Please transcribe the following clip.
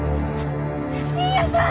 信也さん！